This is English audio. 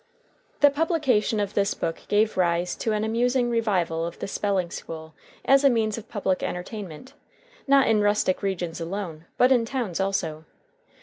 The publication of this book gave rise to an amusing revival of the spelling school as a means of public entertainment, not in rustic regions alone, but in towns also.